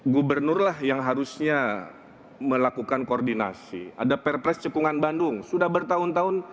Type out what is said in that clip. gubernur lah yang harusnya melakukan koordinasi ada perpres cekungan bandung sudah bertahun tahun